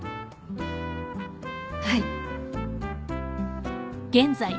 はい